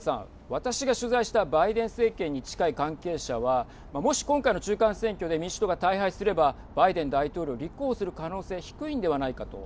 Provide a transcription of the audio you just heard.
私が取材したバイデン政権に近い関係者はもし、今回の中間選挙で民主党が大敗すればバイデン大統領、立候補する可能性低いんではないかと。